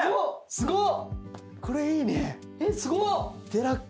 すごっ！